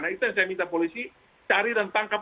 karena itu yang saya minta polisi cari dan tangkap